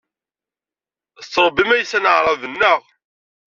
Tettṛebbim iysan aɛṛaben, naɣ?